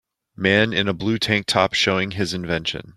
Man in a blue tank top showing his invention.